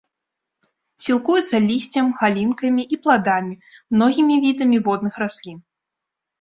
Сілкуецца лісцем, галінкамі і пладамі, многімі відамі водных раслін.